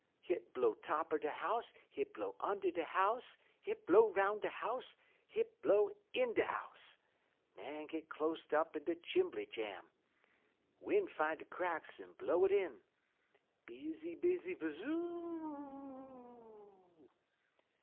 Hit blow top er de house, hit blow und' de house, hit blow 'roun' de house, hit blow in de house. Man git closte up in de chimbly jam. Win' fin' de cracks en blow in um. '_Bizzy, bizzy, buzz zoo o o o o!